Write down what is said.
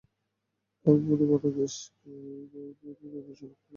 তার মানে বাংলাদেশের জন্য রুপি সমান্তরাল মুদ্রা হিসেবে ব্যবহার করার সুযোগ নেই।